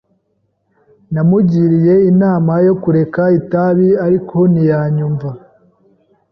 Namugiriye inama yo kureka itabi, ariko ntiyanyumva.